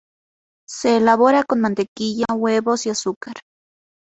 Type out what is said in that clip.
Se elabora con mantequilla, huevos y azúcar.